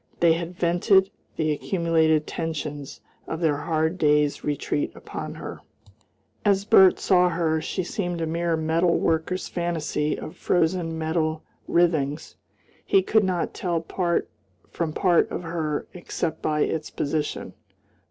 They had vented the accumulated tensions of their hard day's retreat upon her. As Bert saw her, she seemed a mere metal worker's fantasy of frozen metal writhings. He could not tell part from part of her, except by its position.